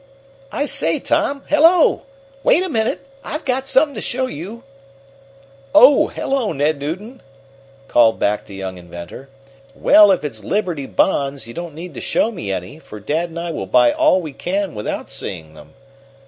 "I say, Tom. Hello! Wait a minute! I've got something to show you!" "Oh, hello, Ned Newton!" Called back the young inventor. "Well, if it's Liberty Bonds, you don't need to show me any, for dad and I will buy all we can without seeing them."